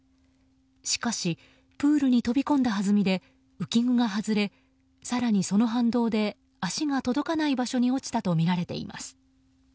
しかしプールに飛び込んだはずみで浮き具が外れ更に、その反動で足が届かない場所に落ちたとみられています。